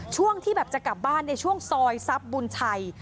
ช่วงที่แบบจะกลับบ้านในช่วงซอยทรัพย์บุญชัย